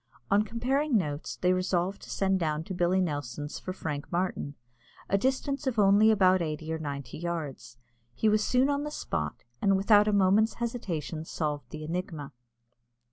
On comparing notes, they resolved to send down to Billy Nelson's for Frank Martin, a distance of only about eighty or ninety yards. He was soon on the spot, and without a moment's hesitation solved the enigma.